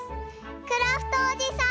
クラフトおじさん！